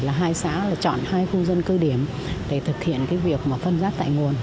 là hai xã chọn hai khu dân cơ điểm để thực hiện việc phân rác tại nguồn